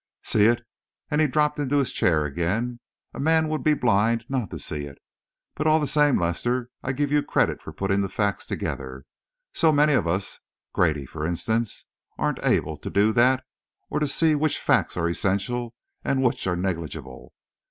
"See it?" and he dropped into his chair again. "A man would be blind not to see it. But all the same, Lester, I give you credit for putting the facts together. So many of us Grady, for instance! aren't able to do that, or to see which facts are essential and which are negligible.